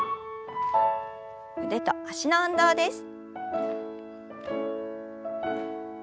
腕と脚の運動です。